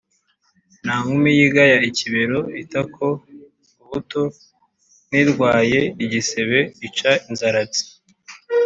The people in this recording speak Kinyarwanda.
Nta nkumi yigaya ikibero (itako, ubuto), n’irwaye igisebe ica inzaratsi.